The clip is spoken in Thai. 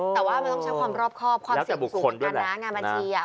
แต่ว่ามันต้องใช้ความรอบครอบความสินสุขกับคณะงานบัญชี